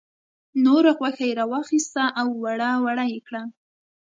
نوره غوښه یې را واخیسته او وړه وړه یې کړه.